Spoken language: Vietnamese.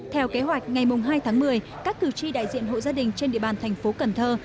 theo kế hoạch ngày hai tháng một mươi các cử tri đại diện hộ gia đình trên địa bàn thành phố cần thơ